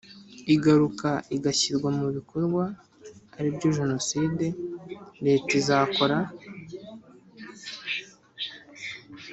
igakura igashyirwa mu bikorwa aribyo Jenoside Leta izakora